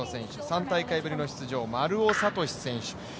３大会ぶりの出場、丸尾知司選手。